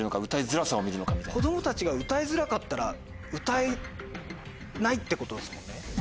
子供たちが歌いづらかったら歌えないってことですもんね。